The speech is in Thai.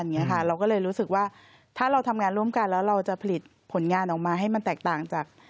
เราก็เลยรู้สึกว่าถ้าเราทำงานร่วมกันแล้วเราจะผลิตผลงานออกมาให้มันแตกต่างจาก